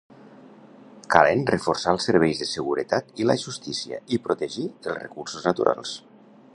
Calen reforçar els serveis de seguretat i la justícia i protegir els recursos naturals.